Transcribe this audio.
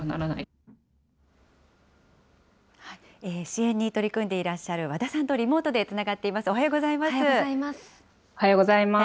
支援に取り組んでいらっしゃる和田さんとリモートでつながっおはようございます。